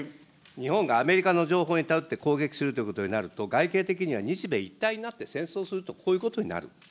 日本がアメリカの情報に頼って攻撃するということになると、外形的には日米一体になって戦争すると、こういうことになる。